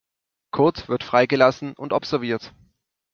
Kurt wird freigelassen und observiert.